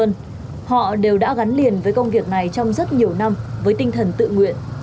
anh hùng đã gắn liền với công việc này trong rất nhiều năm với tinh thần tự nguyện